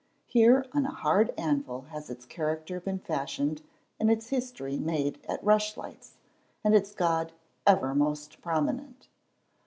Here on a hard anvil has its character been fashioned and its history made at rush lights and its God ever most prominent.